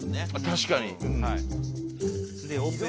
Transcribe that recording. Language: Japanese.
確かに。